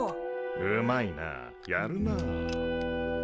うまいなやるなあ。